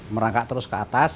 merangkak terus ke atas